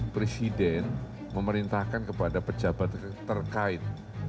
presiden memerintahkan kepada pejabat terkait